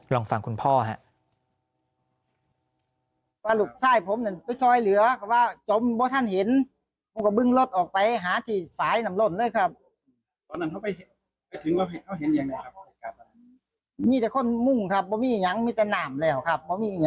ลองฟังคุณพ่อครับ